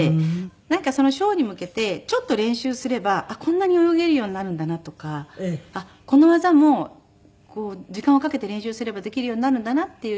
なんかそのショーに向けてちょっと練習すればこんなに泳げるようになるんだなとかあっこの技も時間をかけて練習すればできるようになるんだなっていう。